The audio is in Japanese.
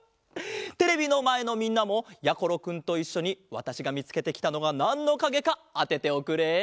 テレビのまえのみんなもやころくんといっしょにわたしがみつけてきたのはなんのかげかあてておくれ。